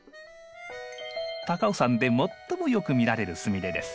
高尾山で最もよく見られるスミレです。